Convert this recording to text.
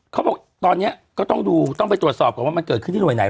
เขาบอกตอนนี้ก็ต้องดูต้องไปตรวจสอบก่อนว่ามันเกิดขึ้นที่หน่วยไหน